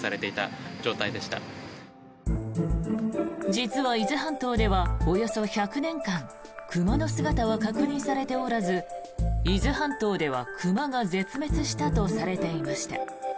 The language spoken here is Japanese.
実は、伊豆半島ではおよそ１００年間熊の姿は確認されておらず伊豆半島では熊が絶滅したとされていました。